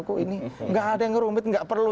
kok ini gak ada yang rumit gak perlu